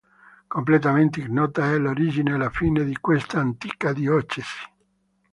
Completamente ignota è l'origine e la fine di questa antica diocesi.